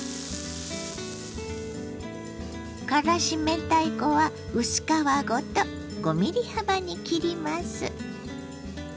からし明太子は薄皮ごと５ｍｍ幅に切ります。